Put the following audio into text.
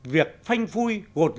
việc phanh phui gột lượt